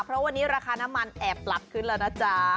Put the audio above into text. เพราะวันนี้ราคาน้ำมันแอบปรับขึ้นแล้วนะจ๊ะ